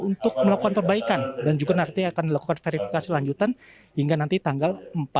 untuk melakukan perbaikan dan juga nanti akan dilakukan verifikasi lanjutan hingga nanti tanggal empat